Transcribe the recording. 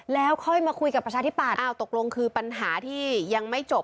แล้วค่อยมาคุยกับประชาธิปัตย์ตกลงคือปัญหาที่ยังไม่จบ